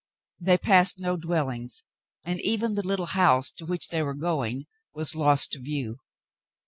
They passed no dwellings, and even the little home to which they were going was lost to view.